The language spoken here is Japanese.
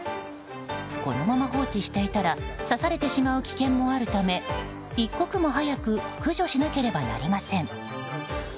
このまま放置していたら刺されてしまう危険もあるため一刻も早く駆除しなければなりません。